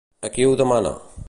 A qui ho demana?